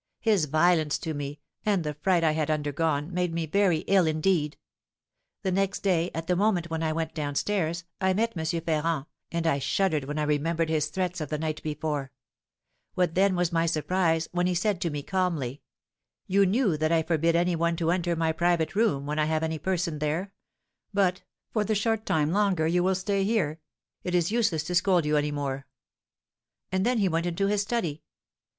His violence to me, and the fright I had undergone, made me very ill indeed. The next day, at the moment when I went down stairs, I met M. Ferrand, and I shuddered when I remembered his threats of the night before; what then was my surprise when he said to me calmly, 'You knew that I forbid any one to enter my private room when I have any person there; but, for the short time longer you will stay here, it is useless to scold you any more.' And then he went into his study.